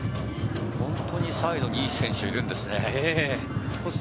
本当にサイドにいい選手がいるんですね。